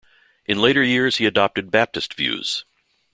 In later years he adopted Baptist views.